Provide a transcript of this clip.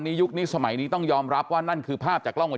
ยุคนี้สมัยนี้ต้องยอมรับว่านั่นคือภาพจากกล้องวั